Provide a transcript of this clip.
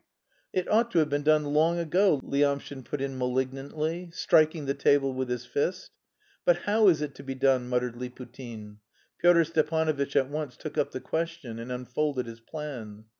"It ought to have been done long ago," Lyamshin put in malignantly, striking the table with his fist. "But how is it to be done?" muttered Liputin. Pyotr Stepanovitch at once took up the question and unfolded his plan.